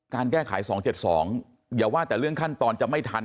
การแก้ไขสองเจ็ดสองอย่าว่าแต่เรื่องขั้นตอนจะไม่ทัน